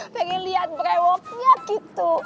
pengen liat berewoknya gitu